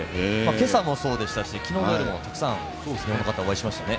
今朝もそうでしたし昨日の夜も、たくさんの方お会いしましたね。